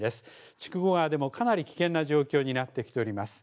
筑後川でもかなり危険な状況になってきております。